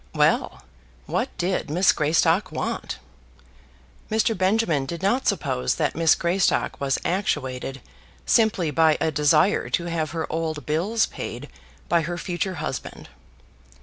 Well; what did Miss Greystock want? Mr. Benjamin did not suppose that Miss Greystock was actuated simply by a desire to have her old bills paid by her future husband.